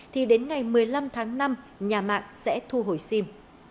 thì đến ngày một mươi năm tháng năm nhà mạng sẽ thu hồi sim